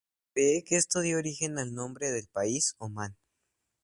Se cree que esto dio origen al nombre del país, Omán.